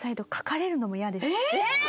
えっ！？